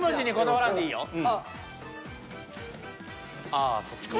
ああそっちか。